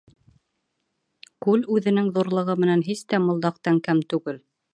Күл үҙенең ҙурлығы менән һис тә Мулдаҡтан кәм түгел.